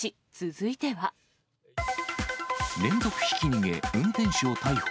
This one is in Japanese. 連続ひき逃げ運転手を逮捕。